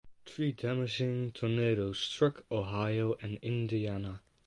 Three damaging tornadoes struck Ohio and Indiana.